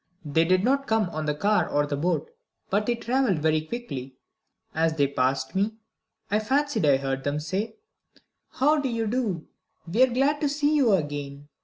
They did not come on the car or the boat, but they travelled very quickly. As they passed me I fancied I heard them say, "How do you do? We are glad to see you again.